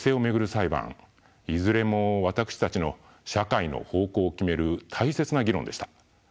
裁判いずれも私たちの社会の方向を決める大切な議論でした。